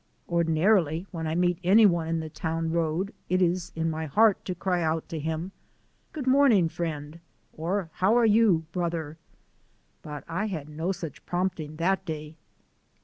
Ordinarily when I meet any one in the town road it is in my heart to cry out to him, "Good morning, friend," or, "How are you, brother?" but I had no such prompting that day.